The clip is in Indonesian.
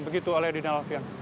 begitu oleh dina alviang